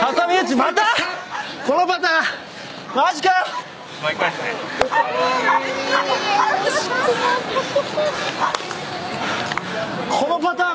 またこのパターン！